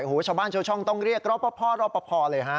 โอ้โหชาวบ้านชาวช่องต้องเรียกราวบะพ่อราวบะพ่อเลยฮะ